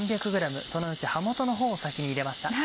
そのうち葉元のほうを先に入れました。